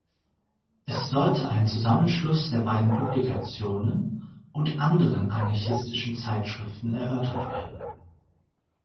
Es sollte ein Zusammenschluss der beiden Publikationen und anderen anarchistischen Zeitschriften erörtert werden.